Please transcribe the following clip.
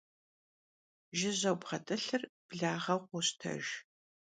Jjıjeu bğet'ılhır blağeu khoştejj.